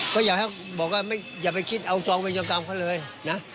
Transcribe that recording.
ก็อยากให้เขาบอกอย่าไปคิดว่าเอาจองเป็นจังกำกับเขาเลยนะ